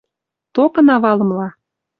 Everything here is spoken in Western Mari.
Токына валымла.